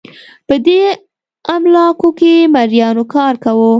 په دې املاکو کې مریانو کار کاوه.